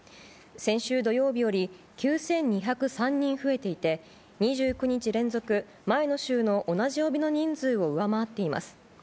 先週土曜日より９２０３人増えていて、２９日連続、前の週の同じ曜日の人数を上回っています。